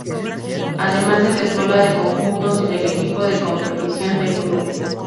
Además de la Escuela de Conjuntos y del equipo de competición del club.